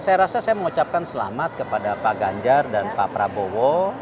saya rasa saya mengucapkan selamat kepada pak ganjar dan pak prabowo